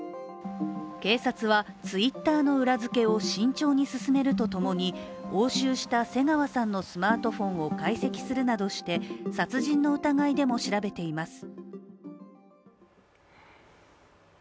警察は、Ｔｗｉｔｔｅｒの裏付けを慎重に進めると共に押収した瀬川さんのスマートフォンを解析するなどして殺人の疑いでも調べています。